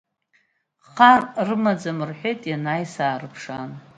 Хар рымаӡам, — рҳәеит, ианааи саарыԥшаан.